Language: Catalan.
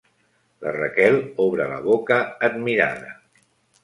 La Raquel obre la boca admirada.